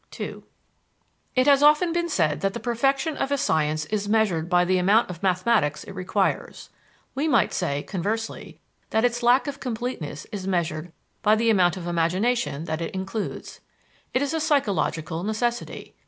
II It has often been said that the perfection of a science is measured by the amount of mathematics it requires; we might say, conversely, that its lack of completeness is measured by the amount of imagination that it includes. It is a psychological necessity.